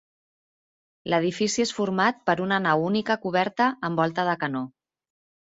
L'edifici és format per una nau única coberta amb volta de canó.